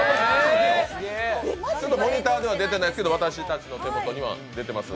モニターには出てないけど、私たちの手元には出てます。